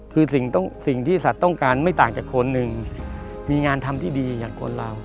คือสิ่งที่สัตว์ต้องการไม่ต่างจากคนหนึ่งมีงานทำที่ดีอย่างคนเรา